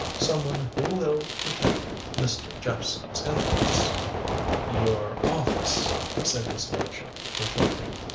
Some one who will protect Mr. Jephson's interests." "Your office," said his lordship, reflecting.